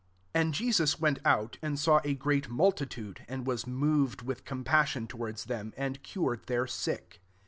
14 And [/cmus] went out, and saw a great multitude, and was moved with compassion, to wards them, and cured their sick.